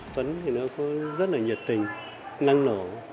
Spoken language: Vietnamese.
tuấn thì nó có rất là nhiệt tình năng nổ